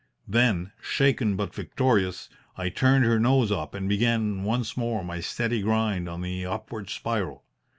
Then, shaken but victorious, I turned her nose up and began once more my steady grind on the upward spiral.